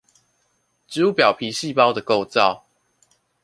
植物表皮細胞的構造